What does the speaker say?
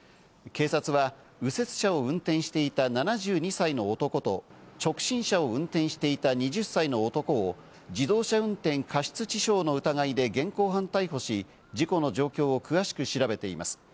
警察は右折車を運転していた７２歳の男と直進車を運転していた２０歳の男を自動車運転過失致傷の疑いで現行犯逮捕し、事故の状況を詳しく調べています。